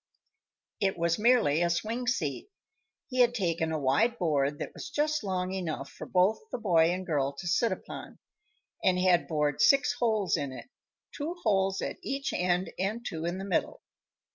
It was merely a swing seat. He had taken a wide board that was just long enough for both the boy and girl to sit upon, and had bored six holes in it two holes at each end and two in the middle.